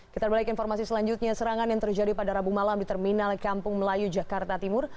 kita balik informasi selanjutnya serangan yang terjadi pada rabu malam di terminal kampung melayu jakarta timur